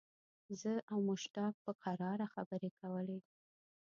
زه او مشتاق په کراره خبرې کولې.